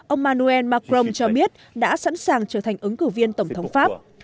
ông manuel macron cho biết đã sẵn sàng trở thành ứng cử viên tổng thống pháp